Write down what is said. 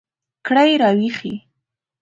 کړئ را ویښې